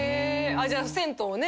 じゃあ銭湯をね